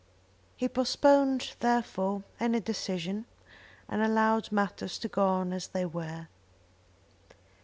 He postponed, therefore, any decision, and allowed matters to go on as they were.